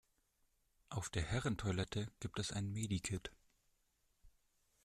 Auf der Herren-Toilette gibt es ein Medi-Kit.